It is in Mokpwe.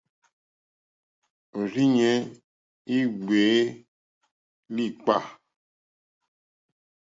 Òrzìɲɛ́ í ŋɡbèé líǐpkà.